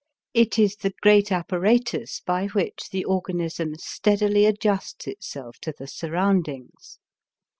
It is the great apparatus by which the organism steadily adjusts itself to the surroundings.